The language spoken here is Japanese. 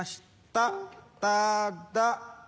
ただ。